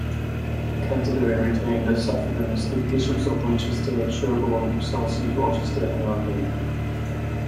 Canterbury retained as suffragans the bishops of Winchester, Sherborne, Selsey, Rochester, and London.